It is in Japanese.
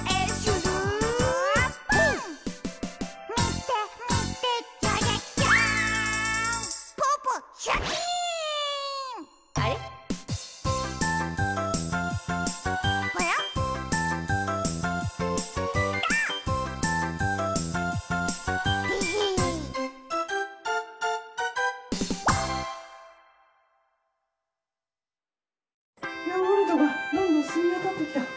でへへヨーグルトがどんどんしみわたってきた。